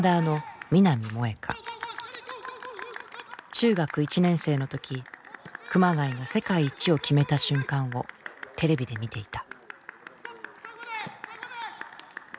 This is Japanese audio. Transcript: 中学１年生の時熊谷が世界一を決めた瞬間をテレビで見ていた。